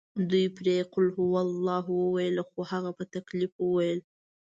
دوی پرې قل هوالله وویلې خو هغه په تکلیف وویل.